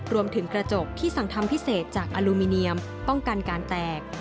รวมถึงกระจกที่สั่งทำพิเศษจากอลูมิเนียมป้องกันการแตก